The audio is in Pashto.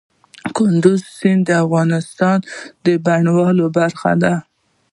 کندز سیند د افغانستان د بڼوالۍ برخه ده.